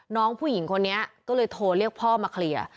น้องผู้หญิงคนนี้ก็เลยโทรเรียกพ่อมาเคลียร์